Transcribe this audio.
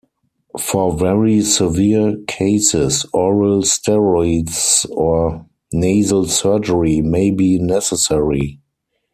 For very severe cases, oral steroids or nasal surgery may be necessary.